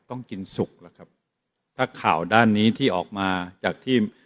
ต้องกินสุกล่ะครับถ้าข่าวด้านนี้ที่ออกมาจากที่